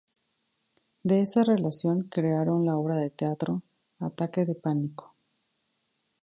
De esa relación crearon la obra de teatro "Ataque de pánico".